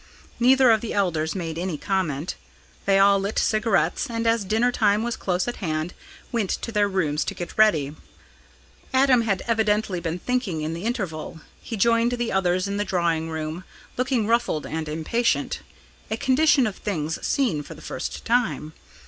Neither of the elders made any comment. They all lit cigarettes, and, as dinner time was close at hand, went to their rooms to get ready. Adam had evidently been thinking in the interval. He joined the others in the drawing room, looking ruffled and impatient a condition of things seen for the first time.